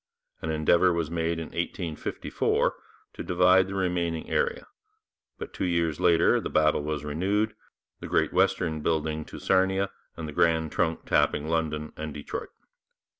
An endeavour was made in 1854 to divide the remaining area, but two years later the battle was renewed, the Great Western building to Sarnia and the Grand Trunk tapping London and Detroit.